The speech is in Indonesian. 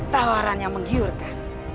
tawaran yang menggiurkan